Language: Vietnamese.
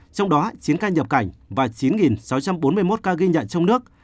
trong đó chín ca nhập cảnh và chín sáu trăm bốn mươi một ca ghi nhận trong nước